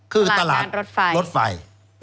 คือตลาดรถไฟ